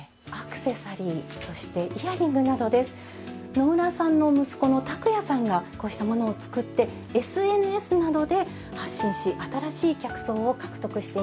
野村さんの息子の拓也さんがこうしたものを作ってＳＮＳなどで発信し新しい客層を獲得しています。